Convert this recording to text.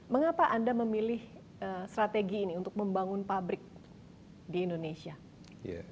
mengapa anda memilih strategi ini untuk membangun pabrik di indonesia